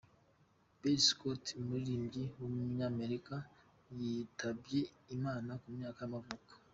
Billy Scott, umuririmbyi w’umunyamerika yitabye Imana ku myaka y’amavuko.